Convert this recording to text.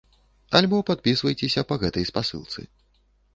Альбо падпісвайцеся па гэтай спасылцы.